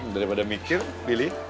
daripada mikir pilih